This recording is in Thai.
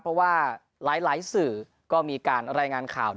เพราะว่าหลายสื่อก็มีการรายงานข่าว